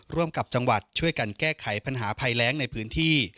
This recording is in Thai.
ร่วมกับจังหวัดช่วยกันแก้ไขปัญหาภัยแรงในพื้นที่